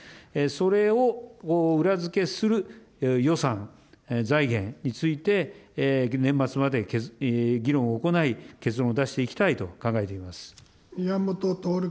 それを裏付けする予算、財源について年末まで議論を行い、結論を出していきたいと考えています。